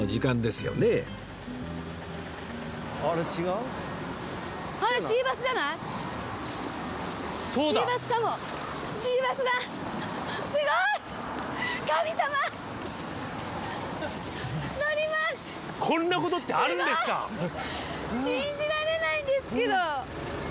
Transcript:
すごい！信じられないんですけど。